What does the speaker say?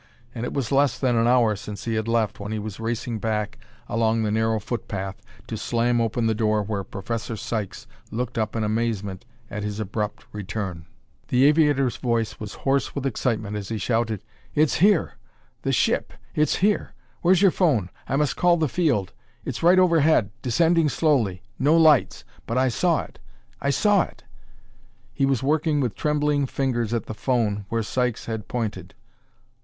And it was less than an hour since he had left when he was racing back along the narrow footpath to slam open the door where Professor Sykes looked up in amazement at his abrupt return. The aviator's voice was hoarse with excitement as he shouted: "It's here the ship! It's here! Where's your phone? I must call the field! It's right overhead descending slowly no lights, but I saw it I saw it!" He was working with trembling fingers at the phone where Sykes had pointed.